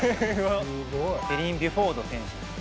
ペリン・ビュフォード選手。